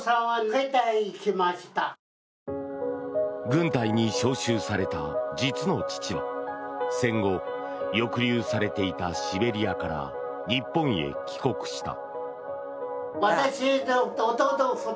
軍隊に召集された実の父は戦後、抑留されていたシベリアから日本へ帰国した。